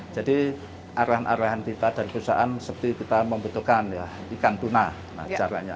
jadi arahan arahan kita dan perusahaan seperti kita membutuhkan ya ikan tuna caranya